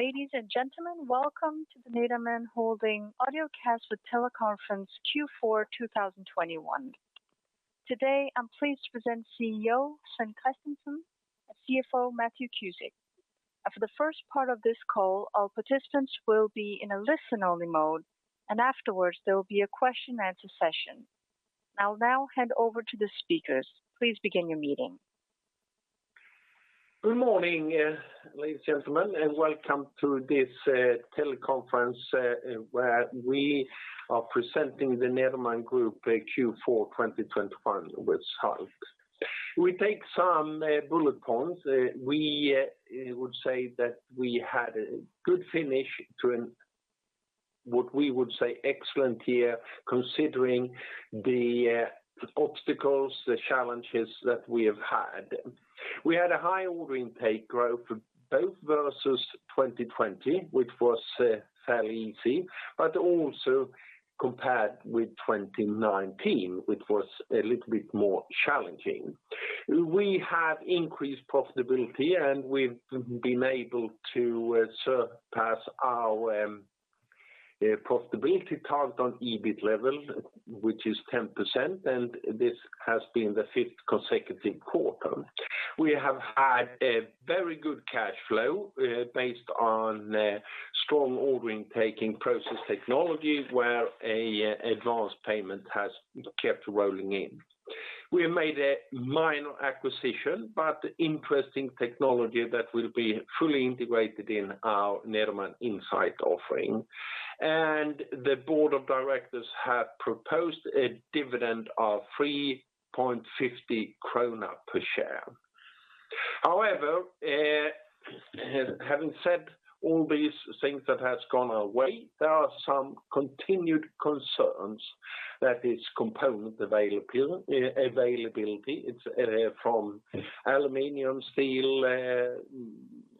Ladies and gentlemen, welcome to the Nederman Holding audio cast with teleconference Q4 2021. Today, I'm pleased to present CEO, Sven Kristensson and CFO, Matthew Cusick. For the first part of this call, all participants will be in a listen-only mode, and afterwards, there will be a question and answer session. I'll now hand over to the speakers. Please begin your meeting. Good morning, ladies and gentlemen, and welcome to this teleconference where we are presenting the Nederman Group Q4 2021 results. We take some bullet points. We would say that we had a good finish to what we would say was an excellent year, considering the obstacles, the challenges that we have had. We had a high order intake growth both versus 2020, which was fairly easy, but also compared with 2019, which was a little bit more challenging. We have increased profitability, and we've been able to surpass our profitability target on EBIT level, which is 10%, and this has been the fifth consecutive quarter. We have had a very good cash flow based on strong order intake in Process Technology, where advanced payment has kept rolling in. We have made a minor acquisition, but interesting technology that will be fully integrated in our Nederman Insight offering. The board of directors have proposed a dividend of 3.50 krona per share. However, having said all these things that has gone our way, there are some continued concerns that is component availability. It's from aluminum, steel,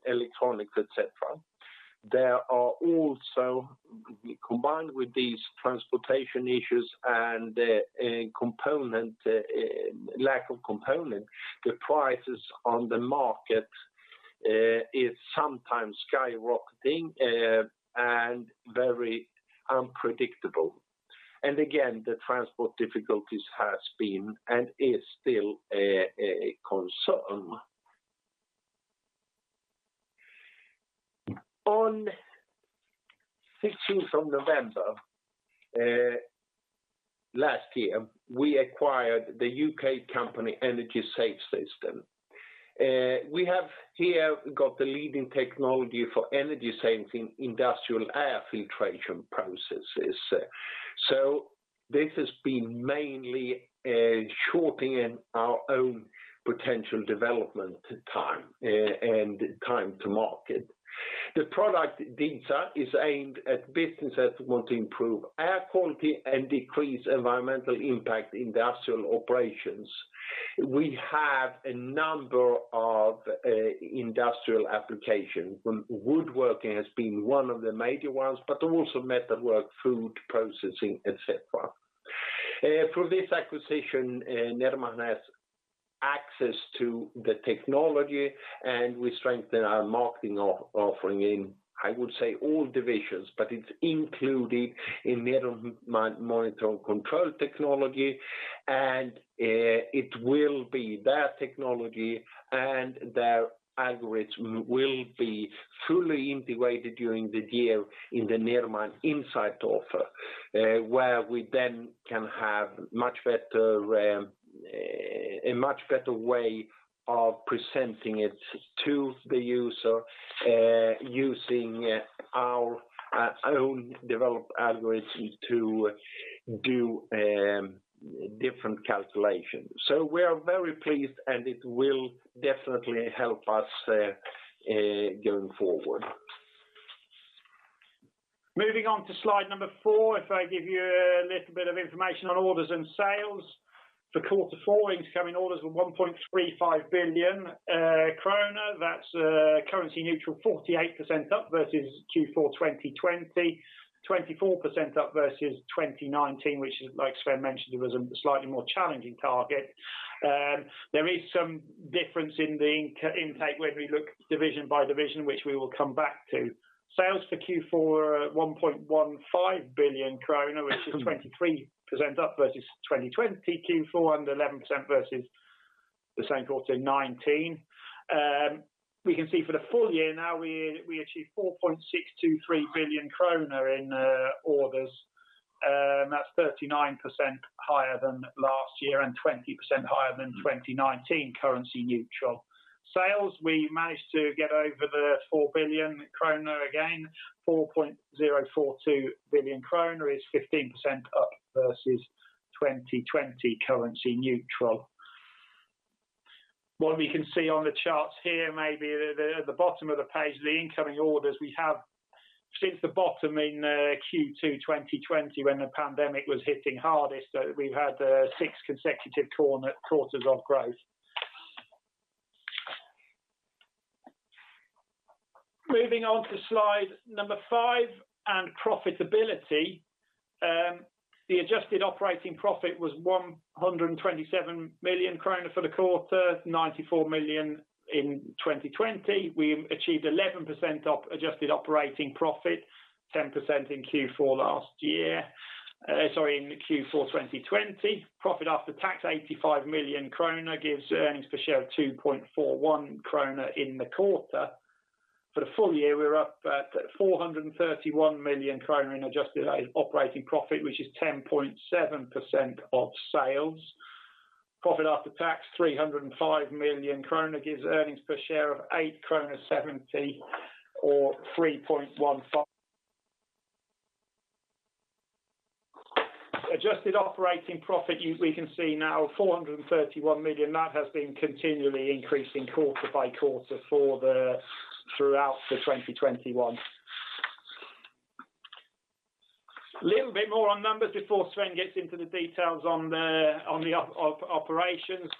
electronics, et cetera. There are also, combined with these transportation issues and a lack of components, the prices on the market is sometimes skyrocketing and very unpredictable. Again, the transport difficulties has been and is still a concern. On 16th of November last year, we acquired the UK company Energy Save Systems. We have here got the leading technology for energy saving industrial air filtration processes. This has been mainly shortening our own potential development time and time to market. The product, DESA, is aimed at businesses who want to improve air quality and decrease environmental impact industrial operations. We have a number of industrial applications. Woodworking has been one of the major ones, but also metalwork, food processing, et cetera. Through this acquisition, Nederman has access to the technology, and we strengthen our marketing offering in, I would say, all divisions, but it's included in Nederman Monitoring & Control Technology. It will be their technology, and their algorithm will be fully integrated during the year in the Nederman Insight offer, where we then can have much better, a much better way of presenting it to the user, using our own developed algorithm to do different calculations. We are very pleased, and it will definitely help us going forward. Moving on to slide number four. If I give you a little bit of information on orders and sales. For quarter four, incoming orders were 1.35 billion krona. That's currency neutral, 48% up versus Q4 2020, 24% up versus 2019, which is, like Sven mentioned, was a slightly more challenging target. There is some difference in the intake when we look division by division, which we will come back to. Sales for Q4 are 1.15 billion krona, which is 23% up versus 2020 Q4 and 11% versus the same quarter in 2019. We can see for the full year now we achieved 4.623 billion kronor in orders. That's 39% higher than last year and 20% higher than 2019 currency neutral. sales, we managed to get over the 4 billion kronor again. 4.042 billion kronor is 15% up versus 2020 currency neutral. What we can see on the charts here, maybe at the bottom of the page, the incoming orders we have since the bottom in Q2 2020, when the pandemic was hitting hardest, we've had six consecutive quarters of growth. Moving on to slide five and profitability. The adjusted operating profit was 127 million kronor for the quarter, 94 million in 2020. We achieved 11% adjusted operating profit, 10% in Q4 2020. Profit after tax, 85 million krona gives earnings per share of 2.41 krona in the quarter. For the full year, we were up at 431 million krona in adjusted operating profit, which is 10.7% of sales. Profit after tax, 305 million krona gives earnings per share of 8.70 krona or $3.15. Adjusted operating profit we can see now 431 million. That has been continually increasing quarter by quarter throughout 2021. Little bit more on numbers before Sven gets into the details on the operations.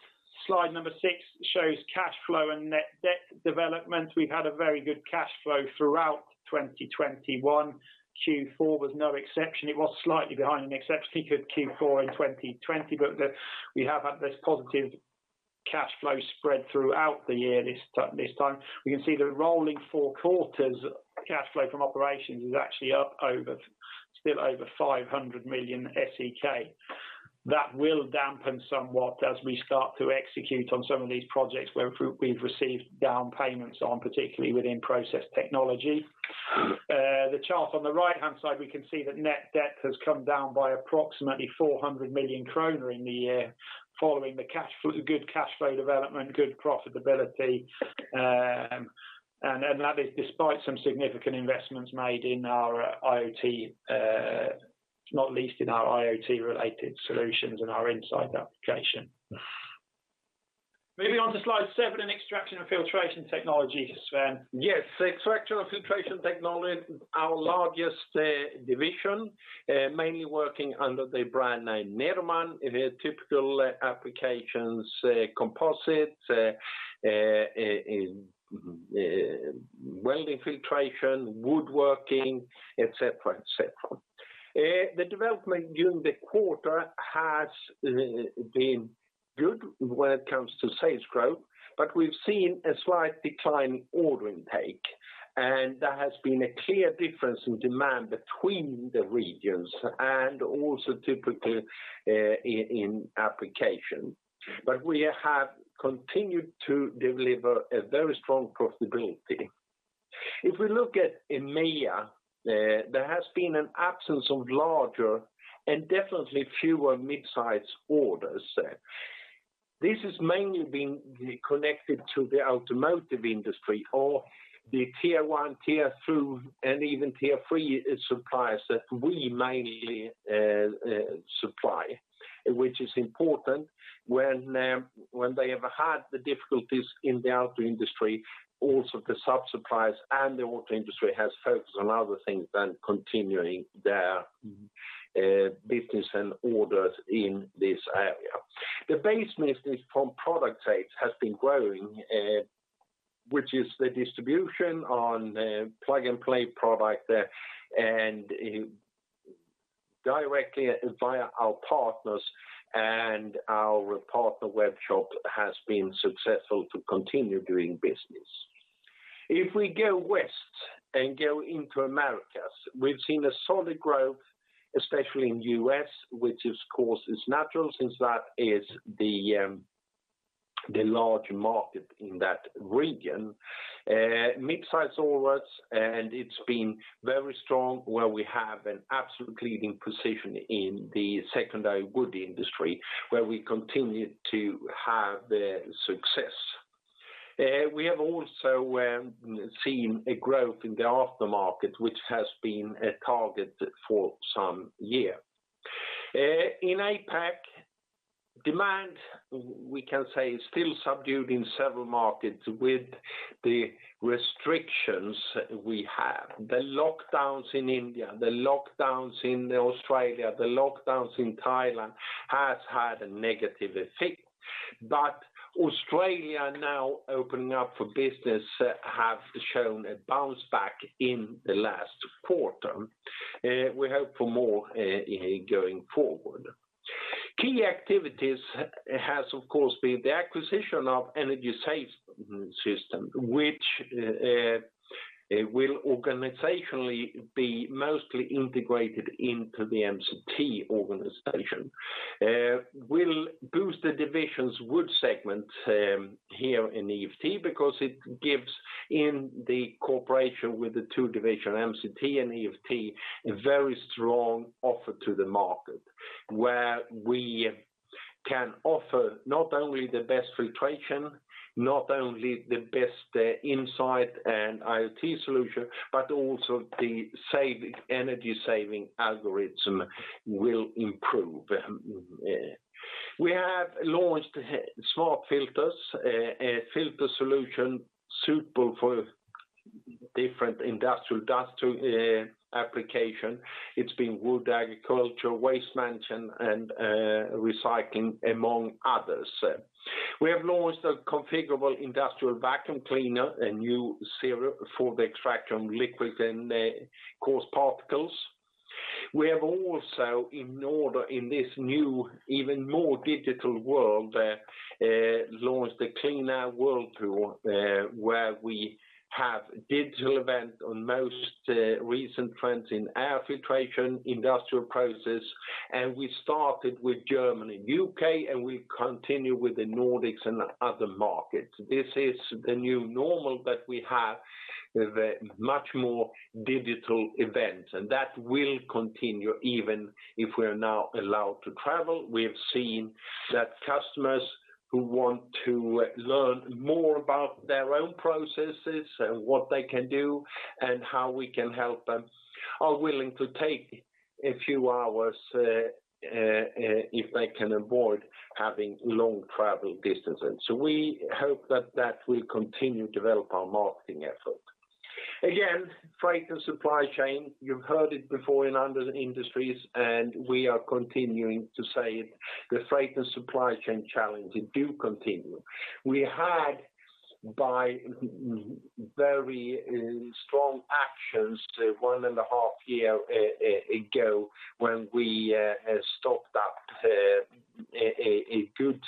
Slide six shows cash flow and net debt development. We've had a very good cash flow throughout 2021. Q4 was no exception. It was slightly behind expectations because Q4 in 2020, but we have had this positive cash flow spread throughout the year this time. We can see the rolling four quarters cash flow from operations is actually up over, still over 500 million SEK. That will dampen somewhat as we start to execute on some of these projects where we've received down payments on, particularly within Process Technology. The chart on the right-hand side, we can see that net debt has come down by approximately 400 million kronor in the year following the good cash flow development, good profitability. And that is despite some significant investments made in our IoT, not least in our IoT related solutions and our Insight application. Moving on to slide seven in Extraction & Filtration Technology, Sven. Yes. Extraction & Filtration Technology, our largest division, mainly working under the brand name Nederman. The typical applications, composites, welding filtration, woodworking, et cetera. The development during the quarter has been good when it comes to sales growth, but we've seen a slight decline in order intake, and there has been a clear difference in demand between the regions and also typically in application. We have continued to deliver a very strong profitability. If we look at EMEA, there has been an absence of larger and definitely fewer mid-size orders. This has mainly been connected to the automotive industry or the tier one, tier two, and even tier three suppliers that we mainly supply, which is important when they have had the difficulties in the auto industry. Also the sub-suppliers and the auto industry has focused on other things than continuing their business and orders in this area. The base business from product sales has been growing, which is the distribution on the plug-and-play product and directly via our partners, and our partner Webshop has been successful to continue doing business. If we go west and go into Americas, we've seen a solid growth, especially in U.S., which of course is natural since that is the large market in that region. Mid-size orders, and it's been very strong where we have an absolute leading position in the secondary wood industry, where we continue to have the success. We have also seen a growth in the aftermarket, which has been a target for some year. In APAC, demand, we can say, is still subdued in several markets with the restrictions we have. The lockdowns in India, the lockdowns in Australia, the lockdowns in Thailand has had a negative effect. Australia now opening up for business have shown a bounce back in the last quarter. We hope for more going forward. Key activities has, of course, been the acquisition of Energy Save Systems, which will organizationally be mostly integrated into the MCT organization. Will boost the division's wood segment here in EFT because it gives, in cooperation with the two divisions, MCT and EFT, a very strong offer to the market, where we can offer not only the best filtration, but also the best Insight and IoT solution, but also the energy saving algorithm will improve. We have launched SmartFilter, a filter solution suitable for different industrial dust applications. It's in wood, agriculture, waste management, and recycling, among others. We have launched a configurable industrial vacuum cleaner, a new series for the extraction of liquids and coarse particles. We have also in this new even more digital world launched the Clean Air World Tour, where we have digital event on most recent trends in air filtration, industrial process, and we started with Germany, U.K., and we continue with the Nordics and other markets. This is the new normal that we have, much more digital events, and that will continue even if we're now allowed to travel. We have seen that customers who want to learn more about their own processes and what they can do and how we can help them are willing to take a few hours if they can avoid having long travel distances. We hope that will continue to develop our marketing effort. Again, freight and supply chain. You've heard it before in other industries, and we are continuing to say it. The freight and supply chain challenges do continue. We had by very strong actions 1.5 years ago when we stopped that a good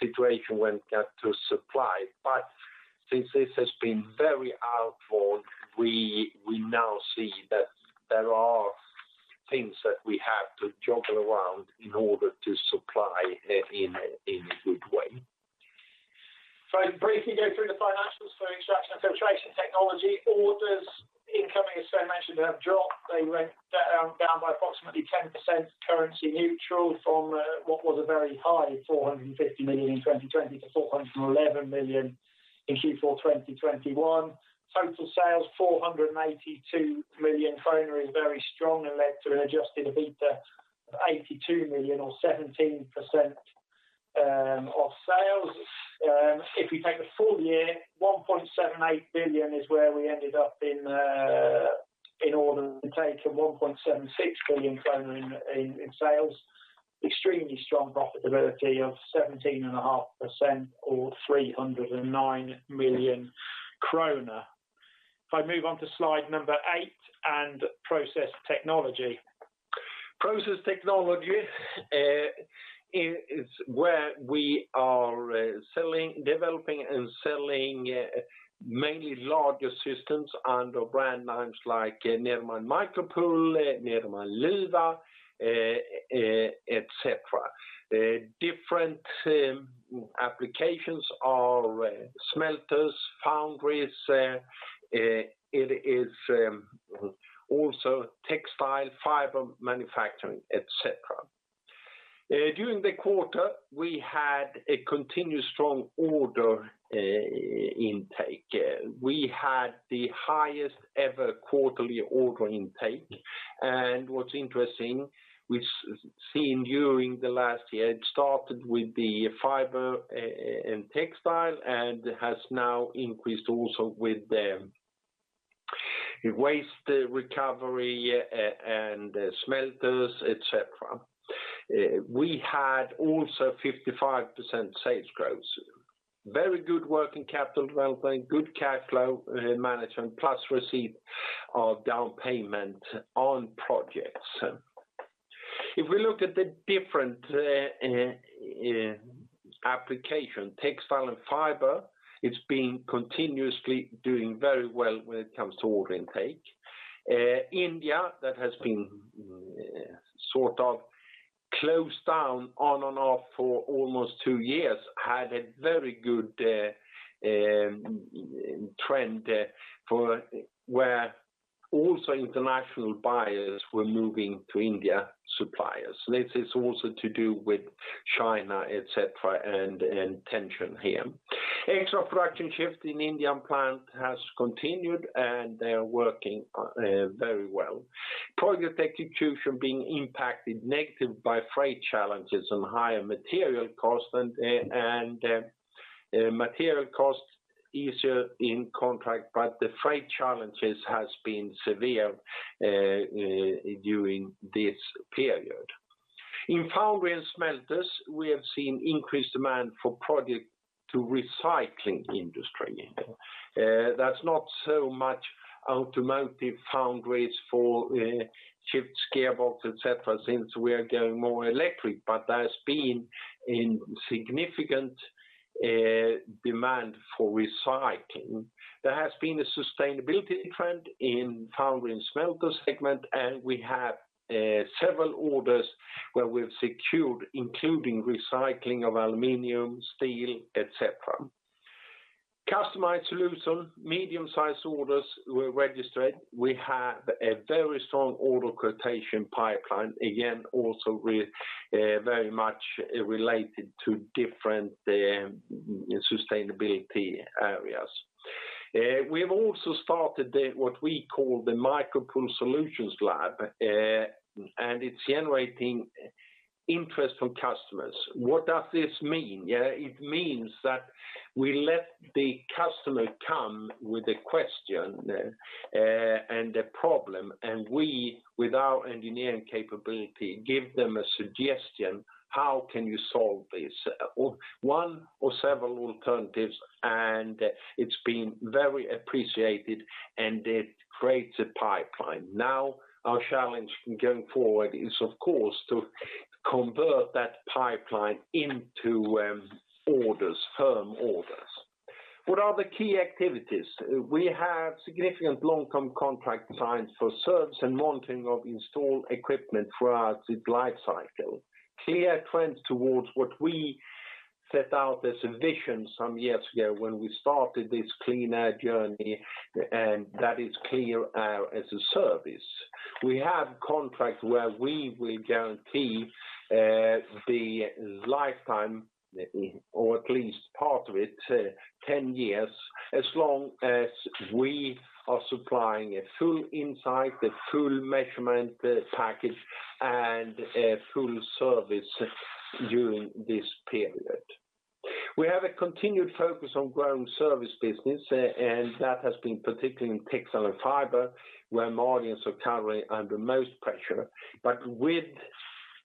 situation when it got to supply. Since this has been very outward, we now see that there are things that we have to juggle around in order to supply in a good way. Briefly go through the financials for Extraction & Filtration Technology. Orders incoming, as Sven mentioned, have dropped. They went down by approximately 10% currency neutral from what was a very high 450 million in 2020 to 411 million in Q4 2021. Total sales, 482 million kronor is very strong and led to an adjusted EBITDA of 82 million or 17% of sales. If we take the full year, 1.78 billion is where we ended up in order intake, and 1.76 billion kronor in sales. Extremely strong profitability of 17.5% or 309 million kronor. If I move on to slide number eight and Process Technology. Process Technology is where we are selling, developing, and selling mainly larger systems under brand names like Nederman MikroPul, Nederman Luwa, et cetera. Different applications are smelters, foundries, also textile fiber manufacturing, et cetera. During the quarter, we had a continuous strong order intake. We had the highest ever quarterly order intake. What's interesting, we've seen during the last year, it started with the fiber and textile and has now increased also with the waste recovery and smelters, et cetera. We had also 55% sales growth. Very good working capital development, good cash flow management, plus receipt of down payment on projects. If we look at the different applications, textile and fiber, it's been continuously doing very well when it comes to order intake. India, that has been sort of locked down on and off for almost two years, had a very good trend for where also international buyers were moving to Indian suppliers. This is also to do with China, et cetera, and tension here. Extra production shift in Indian plant has continued, and they are working very well. Project execution being impacted negative by freight challenges and higher material costs and material cost escalation in contract, but the freight challenges has been severe during this period. In foundry and smelters, we have seen increased demand for projects in the recycling industry. That's not so much automotive foundries for shift gearbox, et cetera, since we are going more electric, but there's been a significant demand for recycling. There has been a sustainability trend in foundry and smelter segment, and we have several orders where we've secured, including recycling of aluminum, steel, et cetera. Customized solution, medium-sized orders were registered. We have a very strong order quotation pipeline, again, also very much related to different sustainability areas. We have also started what we call the MikroPul Solutions Lab, and it's generating interest from customers. What does this mean? It means that we let the customer come with a question and a problem, and we, with our engineering capability, give them a suggestion, "How can you solve this?" One or several alternatives, and it's been very appreciated, and it creates a pipeline. Now, our challenge going forward is, of course, to convert that pipeline into orders, firm orders. What are the key activities? We have significant long-term contract signings for service and monitoring of installed equipment throughout its life cycle. Clear trends towards what we set out as a vision some years ago when we started this clean air journey, and that is clean air as a service. We have contracts where we will guarantee the lifetime, or at least part of it, 10 years, as long as we are supplying a full Insight, the full measurement package, and a full service during this period. We have a continued focus on growing service business, and that has been particularly in textile and fiber, where margins are currently under most pressure. But with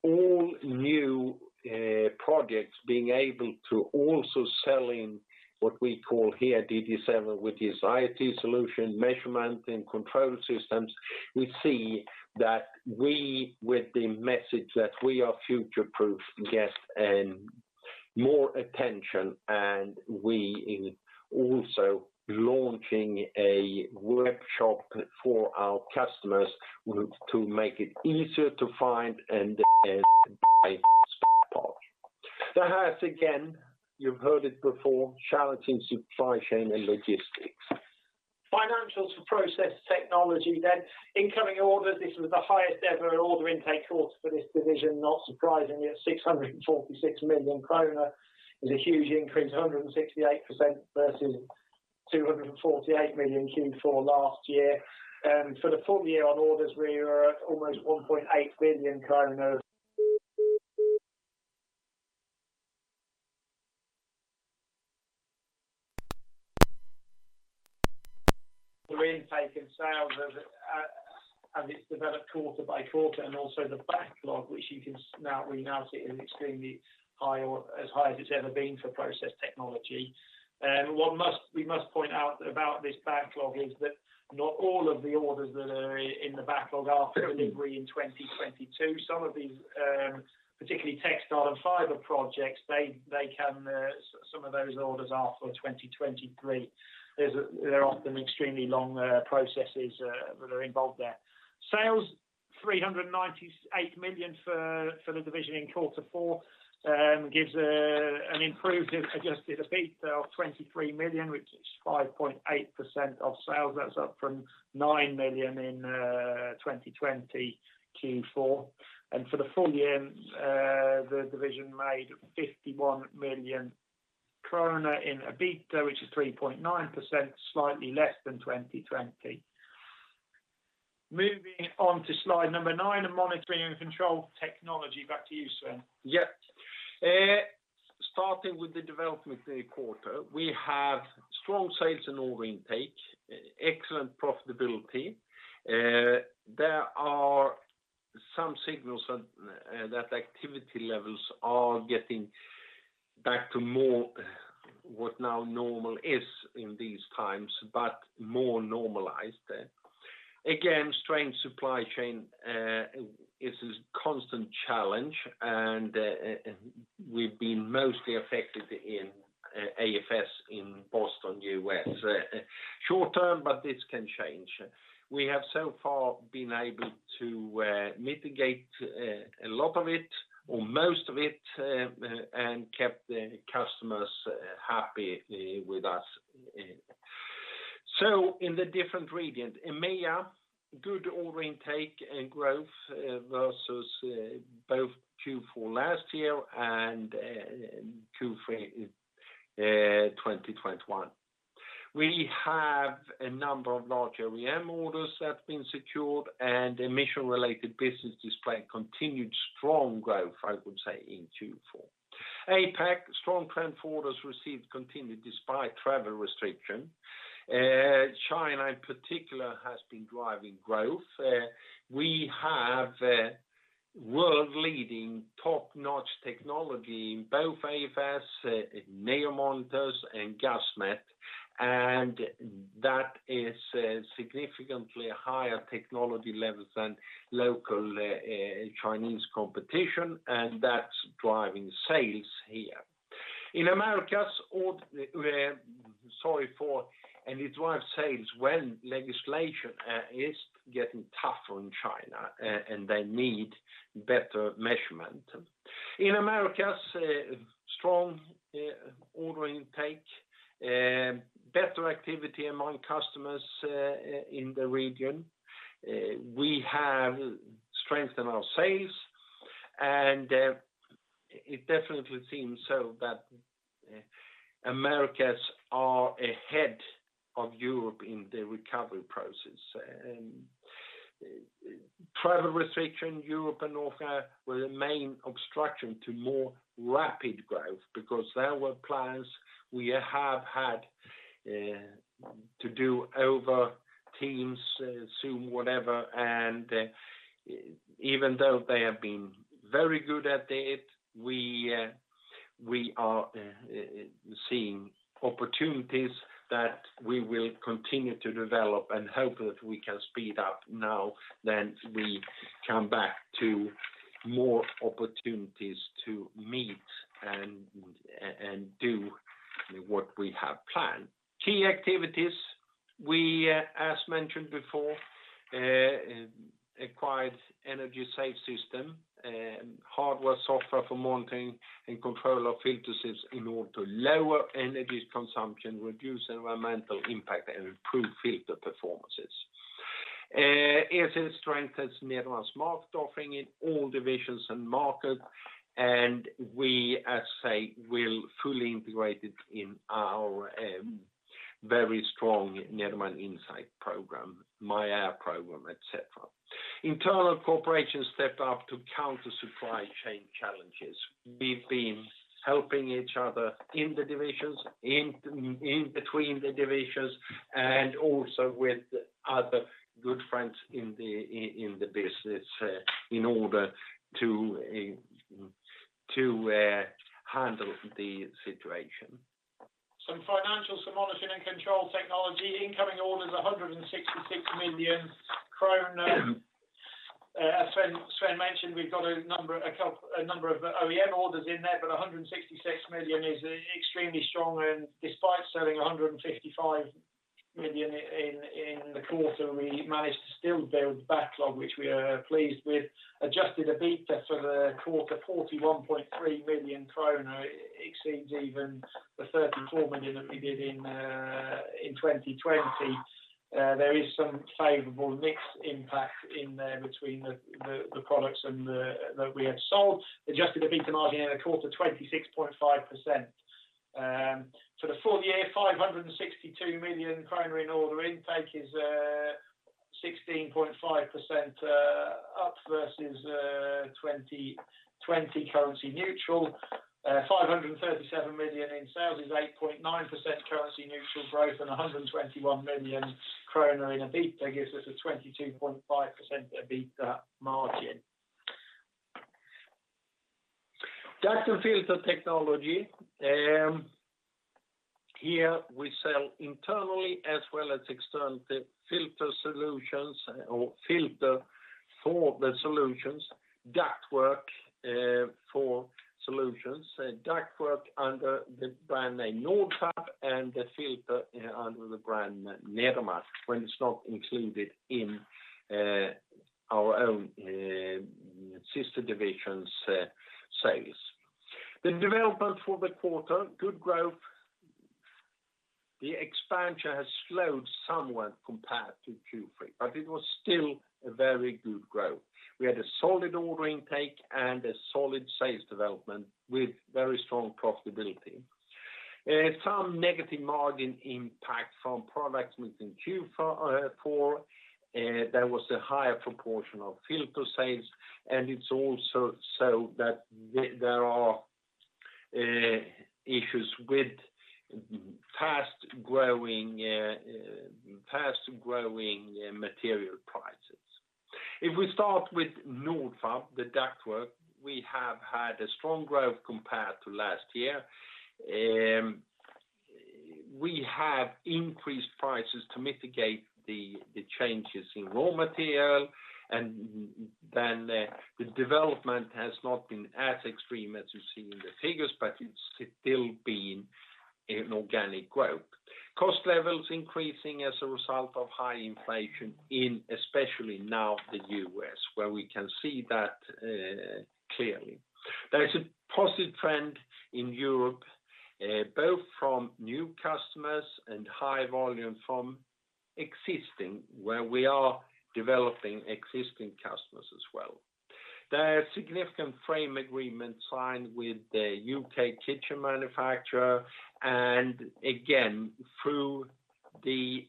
all new projects being able to also sell in what we call here Insight, which is IoT solution, measurement, and control systems, we see that we, with the message that we are future-proof, get more attention, and we're also launching a workshop for our customers to make it easier to find and buy spare parts. There has, again, you've heard it before, challenges in supply chain and logistics. Financials for Process Technology. Incoming orders, this was the highest ever order intake quarter for this division, not surprisingly at 646 million kronor. It's a huge increase, 168% versus 248 million Q4 last year. For the full year on orders, we were at almost 1.8 billion kronor. The intake in sales as it's developed quarter by quarter and also the backlog, which we now see is extremely high or as high as it's ever been for Process Technology. We must point out about this backlog is that not all of the orders that are in the backlog are for delivery in 2022. Some of these, particularly textile and fiber projects, they can, some of those orders are for 2023. There are often extremely long processes that are involved there. Sales 398 million for the division in quarter four gives an improved adjusted EBIT of 23 million, which is 5.8% of sales. That's up from 9 million in 2020 Q4. For the full year, the division made 51 million krona in EBIT, which is 3.9%, slightly less than 2020. Moving on to slide number nine, Monitoring & Control Technology. Back to you, Sven. Yeah. Starting with Q4, we have strong sales and order intake, excellent profitability. There are some signals that activity levels are getting back to more what is now normal in these times, but more normalized. Again, strained supply chain is a constant challenge, and we've been mostly affected in AFS in Boston, U.S. Short term, but this can change. We have so far been able to mitigate a lot of it or most of it, and kept the customers happy with us. In the different regions, EMEA, good order intake and growth versus both Q4 last year and Q3 2021. We have a number of large OEM orders that have been secured and emission-related business displaying continued strong growth, I would say, in Q4. APAC, strong trend for orders received continued despite travel restriction. China in particular has been driving growth. We have world-leading top-notch technology in both AFS, NEO Monitors and Gasmet, and that is significantly higher technology levels than local Chinese competition, and that's driving sales here. It drives sales when legislation is getting tougher in China and they need better measurement. In Americas, strong order intake, better activity among customers in the region. We have strengthened our sales, and it definitely seems so that Americas are ahead of Europe in the recovery process. Travel restrictions Europe and North were the main obstruction to more rapid growth because there were plans we have had to do over Teams, Zoom, whatever, and even though they have been very good at it, we are seeing opportunities that we will continue to develop and hope that we can speed up now that we come back to more opportunities to meet and do what we have planned. Key activities, as mentioned before, we acquired Energy Save Systems, hardware, software for monitoring and control of filter systems in order to lower energy consumption, reduce environmental impact and improve filter performances. Our strength has Nederman smart offering in all divisions and markets, and as we say, will fully integrate it in our very strong Nederman Insight program, myAir program, etc. Internal cooperation stepped up to counter supply chain challenges. We've been helping each other in the divisions, in between the divisions and also with other good friends in the business, in order to handle the situation. Some financials for Monitoring & Control Technology. Incoming orders, 166 million. As Sven mentioned, we've got a number of OEM orders in there, but 166 million is extremely strong. Despite selling 155 million in the quarter, we managed to still build backlog, which we are pleased with. Adjusted EBITDA for the quarter, 41.3 million krona, exceeds even the 34 million that we did in 2020. There is some favorable mix impact in there between the products and that we have sold. Adjusted EBITDA margin in the quarter, 26.5%. For the full year, 562 million kronor in order intake is 16.5% up versus 2020 currency neutral. 537 million in sales is 8.9% currency neutral growth and 121 million kronor in EBITDA gives us a 22.5% EBITDA margin. Duct and Filter Technology. Here we sell internally as well as externally filter solutions or filter for the solutions, duct work for solutions, duct work under the brand name Nordfab, and the filter under the brand Nederman, when it's not included in our own sister divisions sales. The development for the quarter showed good growth. The expansion has slowed somewhat compared to Q3, but it was still a very good growth. We had a solid order intake and a solid sales development with very strong profitability. Some negative margin impact from product mix in Q4. There was a higher proportion of filter sales, and it's also so that there are issues with fast growing material prices. If we start with Nordfab, the duct work, we have had a strong growth compared to last year. We have increased prices to mitigate the changes in raw material, and then the development has not been as extreme as you see in the figures, but it's still been an organic growth. Cost levels increasing as a result of high inflation in especially now the U.S., where we can see that clearly. There is a positive trend in Europe, both from new customers and high volume from existing, where we are developing existing customers as well. There are significant frame agreements signed with the U.K. kitchen manufacturer, and again, through the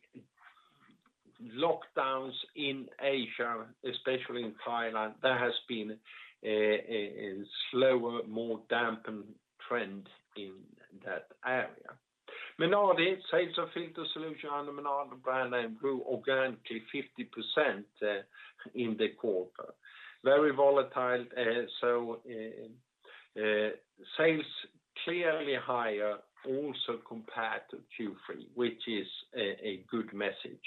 lockdowns in Asia, especially in Thailand, there has been a slower, more dampened trend in that area. Menardi, sales of filter solution under Menardi brand name grew organically 50% in the quarter. Very volatile, so sales clearly higher also compared to Q3, which is a good message.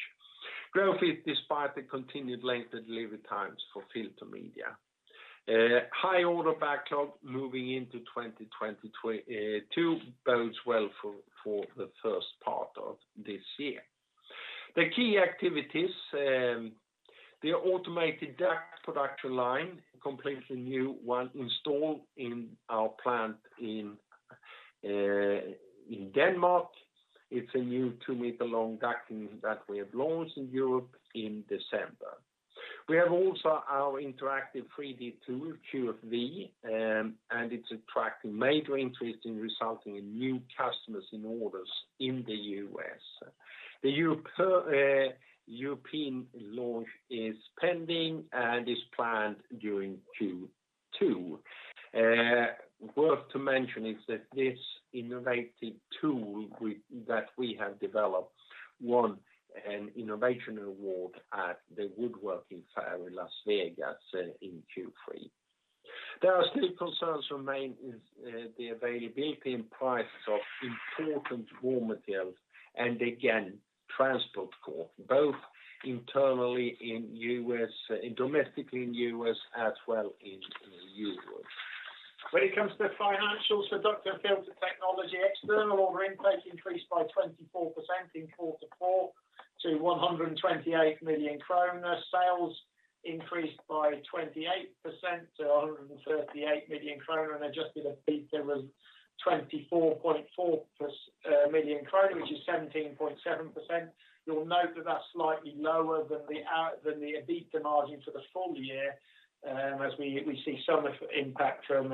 Growth despite the continued length of delivery times for filter media. High order backlog moving into 2022 bodes well for the first part of this year. The key activities, the automated duct production line, completely new one installed in our plant in Denmark. It's a new 2-meter-long ducting that we have launched in Europe in December. We have also our interactive 3D tool, QFV, and it's attracting major interest in resulting in new customers and orders in the U.S. The European launch is pending and is planned during Q2. Worth to mention is that this innovative tool that we have developed won an innovation award at the woodworking fair in Las Vegas in Q3. There are still concerns that remain regarding the availability and prices of important raw materials, and again, transport costs, both in the U.S. and in Europe. When it comes to financials for Duct and Filter Technology, external order intake increased by 24% in quarter four to 128 million kronor. Sales increased by 28% to 138 million kronor, and adjusted EBITDA was 24.4 million, which is 17.7%. You'll note that that's slightly lower than the EBITDA margin for the full year, as we see some impact from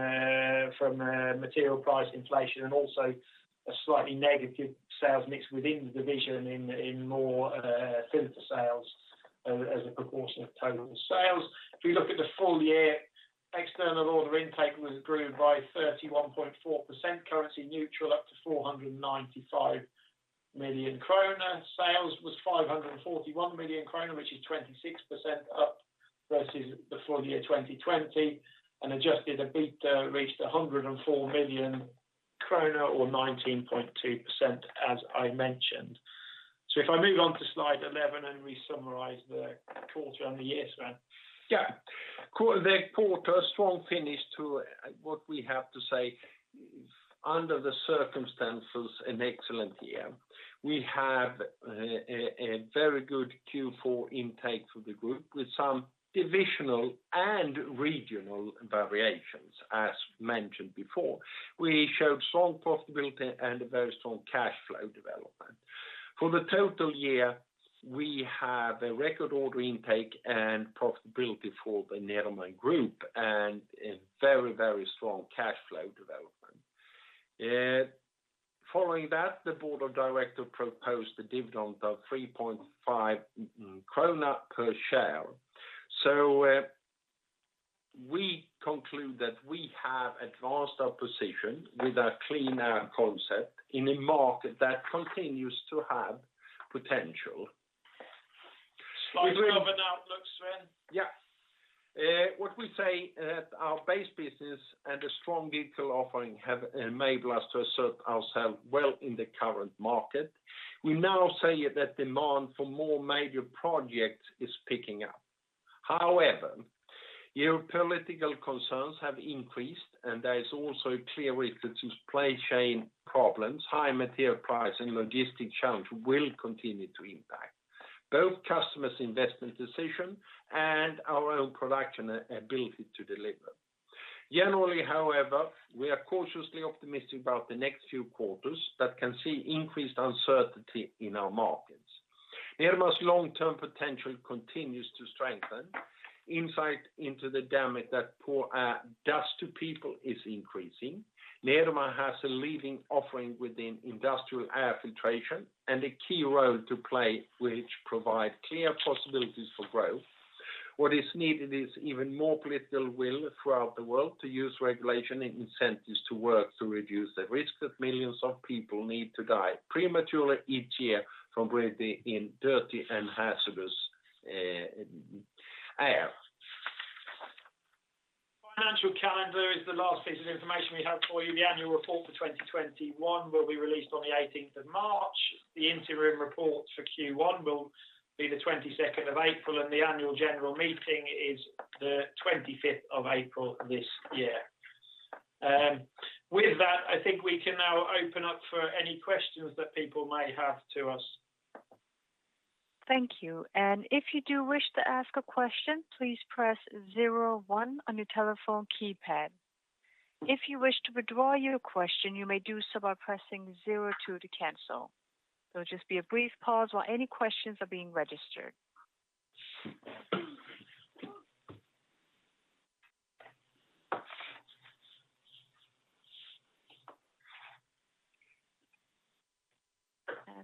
material price inflation and also a slightly negative sales mix within the division in more filter sales as a proportion of total sales. If you look at the full year, external order intake was grew by 31.4% currency neutral, up to 495 million kronor. Sales was 541 million kronor, which is 26% up versus the full year 2020, and adjusted EBITDA reached 104 million kronor or 19.2% as I mentioned. If I move on to slide 11 and we summarize the quarter and the year, Sven. Yeah. The quarter, a strong finish to what we have to say, under the circumstances, an excellent year. We have a very good Q4 intake for the group with some divisional and regional variations as mentioned before. We showed strong profitability and a very strong cash flow development. For the total year, we have a record order intake and profitability for the Nederman Group and a very, very strong cash flow development. Following that, the board of directors proposed a dividend of 3.5 per share. We conclude that we have advanced our position with a clean air concept in a market that continues to have potential. We will. Slide 12, an outlook, Sven. Yeah. What we see is that our base business and a strong value offering have enabled us to assert ourselves well in the current market. We now see that demand for more major projects is picking up. However, geopolitical concerns have increased, and there is also a clear risk that supply chain problems, high material prices, and logistic challenges will continue to impact both customers' investment decisions and our own production ability to deliver. Generally, however, we are cautiously optimistic about the next few quarters. We can see increased uncertainty in our markets. Nederman's long-term potential continues to strengthen. Insight into the damage that poor dust control does to people is increasing. Nederman has a leading offering within industrial air filtration and a key role to play, which provides clear possibilities for growth. What is needed is even more political will throughout the world to use regulation and incentives to work to reduce the risk that millions of people need to die prematurely each year from breathing in dirty and hazardous air. Financial calendar is the last piece of information we have for you. The annual report for 2021 will be released on the 18th of March. The interim report for Q1 will be the 22nd of April, and the annual general meeting is the 25th of April this year. With that, I think we can now open up for any questions that people may have to us. Thank you. If you do wish to ask a question, please press zero one on your telephone keypad. If you wish to withdraw your question, you may do so by pressing zero two to cancel. There'll just be a brief pause while any questions are being registered.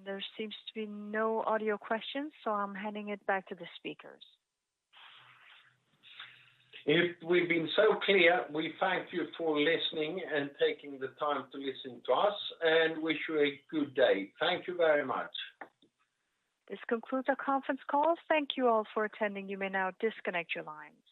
There seems to be no audio questions, so I'm handing it back to the speakers. If we've been so clear, we thank you for listening and taking the time to listen to us and wish you a good day. Thank you very much. This concludes our conference call. Thank you all for attending. You may now disconnect your lines.